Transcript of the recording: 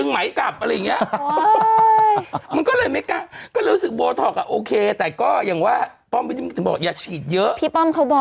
ไหมเต้งออกมาอย่างเงี้ยเถอะ